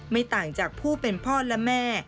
ไม่ต่างจากผู้เป็นพ่อและแม่